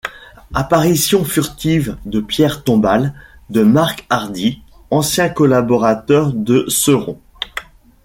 Apparition furtive de Pierre Tombal, de Marc Hardy, ancien collaborateur de Seron.